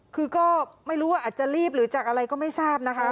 คือก็ไม่รู้ว่าอาจจะรีบหรือจากอะไรก็ไม่ทราบนะคะ